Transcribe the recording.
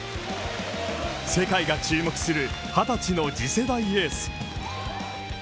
世界が注目する、二十歳の次世代エース。